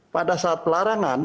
pada saat larangan